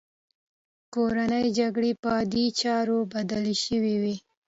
کورنۍ جګړه پر عادي چاره بدله شوې وه